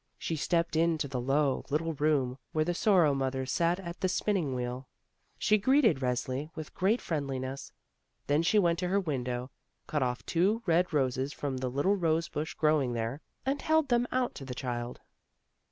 She stepped into the low, little room where the Sorrow mother sat at the spinning wheel. She greeted Resli with great friendliness. Then she went to her window, cut oif two red roses from the little rose bush growing there, and held them out to the child.